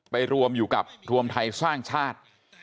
รวมอยู่กับรวมไทยสร้างชาติ